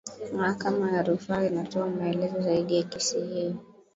mahakama ya rufaa inatoa maelezo zaidi ya kesi hiyo